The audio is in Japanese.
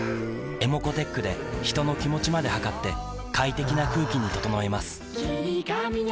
ｅｍｏｃｏーｔｅｃｈで人の気持ちまで測って快適な空気に整えます